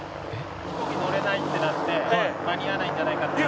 飛行機乗れないってなって間に合わないんじゃないかって。